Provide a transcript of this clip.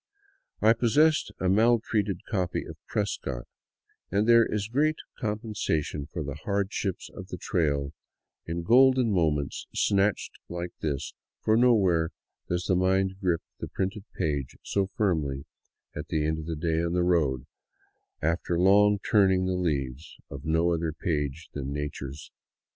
I possessed a maltreated copy of Prescott, and there is great compensa tion for the hardships of the trail in golden moments snatched like this ; for nowhere does the mind grip the printed page so firmly as at the end of a day on the road, after long turning the leaves of no other page than nature's.